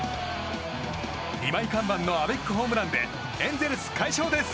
２枚看板のアベックホームランでエンゼルス、快勝です！